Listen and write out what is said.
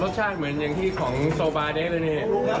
รสชาติเหมือนที่ของโซบาเด๊กเลยนี่